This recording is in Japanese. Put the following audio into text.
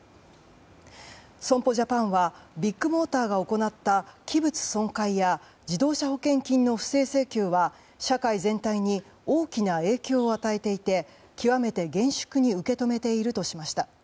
損保ジャパンはビッグモーターが行った器物損壊や自動車保険金の不正請求は社会全体に大きな影響を与えていて極めて厳粛に受け止めているとしました。